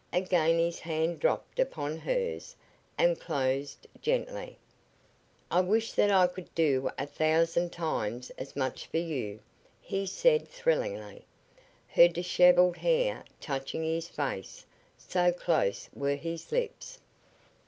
Again his hand dropped upon hers and closed gently. "I wish that I could do a thousand times as much for you," he said, thrillingly, her disheveled hair touching his face so close were his lips.